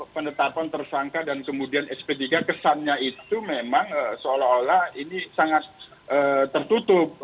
penetapan tersangka dan kemudian sp tiga kesannya itu memang seolah olah ini sangat tertutup